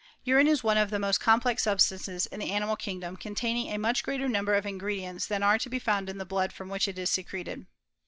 Urine is one of the most .com plex substances in the animal kingdom, containing a much greater number of ingredients than ar be found in the blood from which it is secreted.